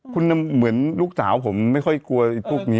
คุณเหมือนลูกสาวผมไม่ค่อยกลัวไอ้พวกนี้